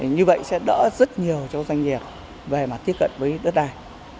như vậy sẽ đỡ rất nhiều cho doanh nghiệp về mặt tiếp cận với đất đai